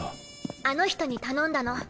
あの人に頼んだの。